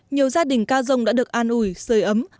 nhiều gia đình ca dông đã được an ủi sửa ấm